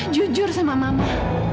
jujur sama mama